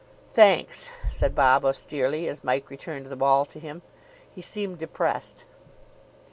"Thanks," said Bob austerely, as Mike returned the ball to him. He seemed depressed.